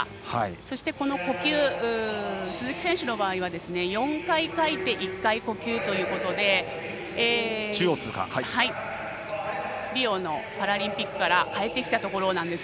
そして呼吸、鈴木選手の場合は４回かいて１回呼吸ということでリオのパラリンピックから変えてきたところです。